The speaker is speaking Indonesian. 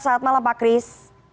selamat malam pak kris